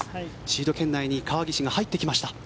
シード圏内に川岸が入ってきました。